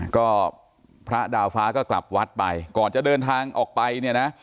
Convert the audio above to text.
ก็พระดาวฟ้าก็กลับวัดไปก่อนจะเดินทางออกไปเนี่ยนะ